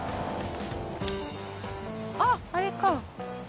あっあれか。